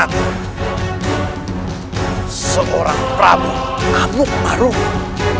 ada apa ini prabu amukmarugum